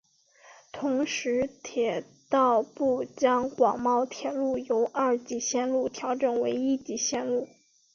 同时铁道部将广茂铁路由二级线路调整为一级线路。